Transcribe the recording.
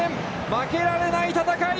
負けられない戦い。